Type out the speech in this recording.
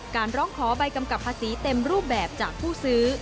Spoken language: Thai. ร้องขอใบกำกับภาษีเต็มรูปแบบจากผู้ซื้อ